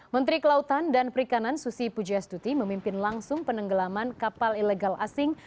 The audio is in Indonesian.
menteri kelautan dan perikanan susi pujastuti memimpin langsung penenggelaman kapal ilegal asing